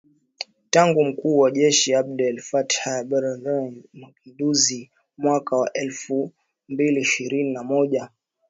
tangu mkuu wa jeshi Abdel Fattah al-Burhan kuongoza mapinduzi yaOKtoba mwaka wa elfu mbiliishirini na moja.